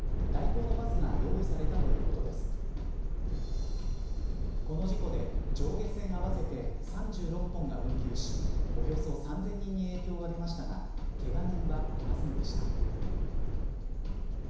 この事故で上下線合わせて３６本が運休しおよそ３０００人に影響が出ましたがけが人はいませんでした。